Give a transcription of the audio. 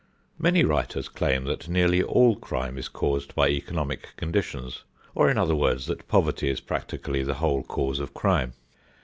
Many writers claim that nearly all crime is caused by economic conditions, or in other words that poverty is practically the whole cause of crime.